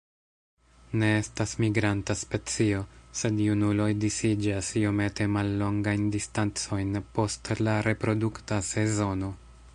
Ne estas migranta specio, sed junuloj disiĝas iomete mallongajn distancojn post la reprodukta sezono.